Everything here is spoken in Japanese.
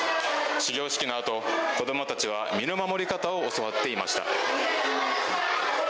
始業式のあと、子どもたちは身の守り方を教わっていました。